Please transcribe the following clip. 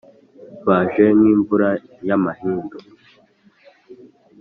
Baje nk’imvura y’amahindu